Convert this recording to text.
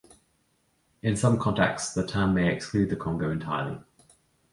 In some contexts the term may exclude the Congo entirely.